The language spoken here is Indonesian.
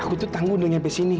aku tuh tanggung udah sampai sini